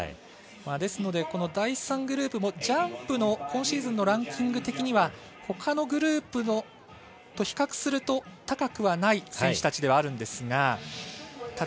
ですので第３グループもジャンプの今シーズンのランキング的にはほかのグループと比較すると高くはない選手たちではあるんですが。